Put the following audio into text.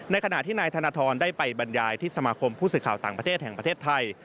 ขณะที่นายธนทรได้ไปบรรยายที่สมาคมผู้สื่อข่าวต่างประเทศแห่งประเทศไทย